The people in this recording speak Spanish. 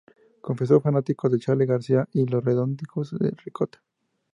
Confeso fanático de Charly Garcia y Los Redonditos de Ricota.